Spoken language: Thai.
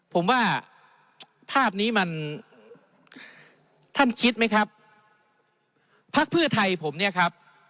ผมว่าภาพนี้มันท่านคิดไหมครับพักเพื่อไทยผมเนี่ยครับ